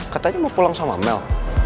katanya mau pulang sama mel